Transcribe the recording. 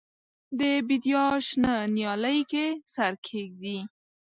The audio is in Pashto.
د بیدیا شنه نیالۍ کې سر کښېږدي